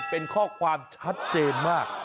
เป็นข้อความชัดเจนมาก